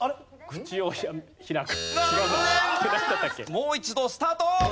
もう一度スタート！